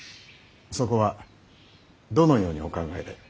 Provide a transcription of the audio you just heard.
そこはどのようにお考えで？